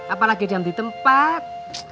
apalagi jam di tempat